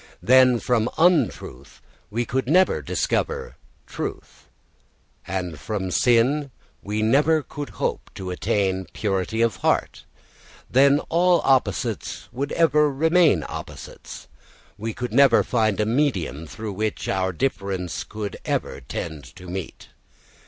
Then from untruth we never could reach truth, and from sin we never could hope to attain purity of heart; then all opposites would ever remain opposites, and we could never find a medium through which our differences could ever tend to meet.